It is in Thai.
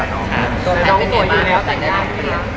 ป๊าวเตียงมาแล้วแต่งได้ยังไง